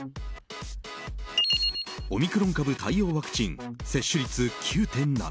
オミクロン株対応ワクチン接種率９．７％。